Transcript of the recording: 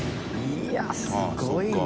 いやすごいな。